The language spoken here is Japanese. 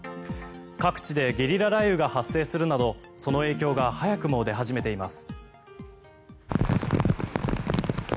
各地でゲリラ雷雨が発生するなどその影響が早くも出始めています。